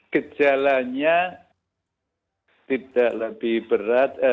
gejalanya tidak lebih berat